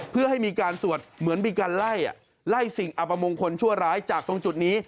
เพื่อให้มีการสวดเหมือนมีการไล่ไล่สิ่งอัปมงคลชั่วร้ายจากตรงจุดนี้